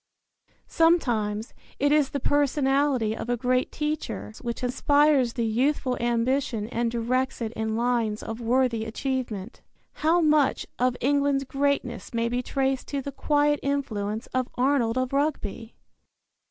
Sometimes it is the personality of a great teacher which inspires the youthful ambition and directs it in lines of worthy achievement. How much of England's greatness may be traced to the quiet influence of Arnold of Rugby!